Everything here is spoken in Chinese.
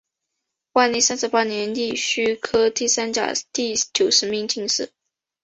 万历三十八年庚戌科第三甲第九十名进士。